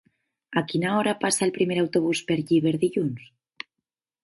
A quina hora passa el primer autobús per Llíber dilluns?